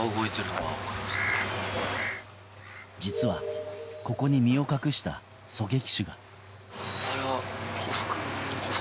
実は、ここに身を隠した狙撃手が。